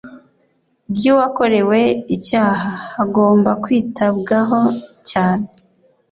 ry uwakorewe icyaha hagomba kwitabwaho cyane